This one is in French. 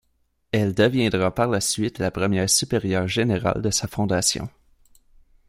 Elle deviendra par la suite la première supérieure générale de sa fondation.